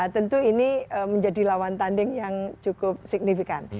tentu ini menjadi lawan tanding yang cukup signifikan